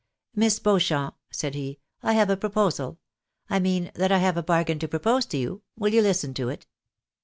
" JMiss Beauchamp," said he, " I have a proposal —• I mean that I have a bargain to propose to you ; will you listen to it?"